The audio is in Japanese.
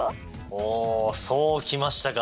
おおそうきましたか。